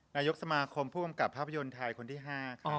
นายกสมาคมผู้กำกับภาพยนตร์ไทยคนที่๕ค่ะ